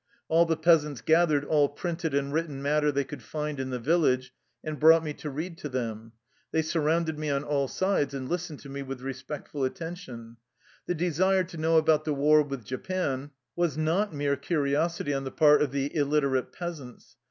All the peasants gathered all printed and written matter they could find in the village and brought me to read to them. They surrounded me on all sides and listened to me with respectful atten tion. The desire to know about the war with Japan was not mere curiosity on the part of the illiterate peasants.